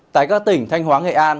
tại các tỉnh thanh hóa nghệ an